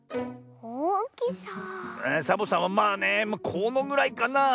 サボさんはまあねこのぐらいかなあ。